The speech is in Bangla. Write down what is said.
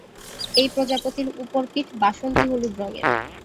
এই প্রজাপতির ওপর পিঠ বাসন্তী হলুদ রঙের।